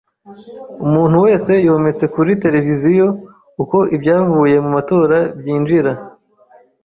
Umuntu wese yometse kuri televiziyo uko ibyavuye mu matora byinjira.